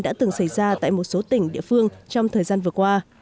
đã từng xảy ra tại một số tỉnh địa phương trong thời gian vừa qua